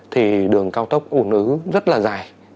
thì đường cao tốc ủn ứ rất là dài